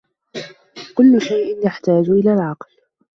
كُلُّ شَيْءٍ يَحْتَاجُ إلَى الْعَقْلِ